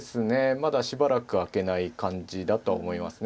まだしばらく開けない感じだと思いますね。